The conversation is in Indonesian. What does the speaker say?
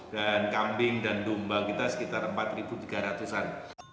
dan kambing dan dumba kita sekitar empat tiga ratus an